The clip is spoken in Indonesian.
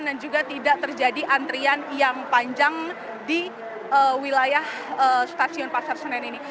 dan juga tidak terjadi antrian yang panjang di wilayah stasiun pasar senen ini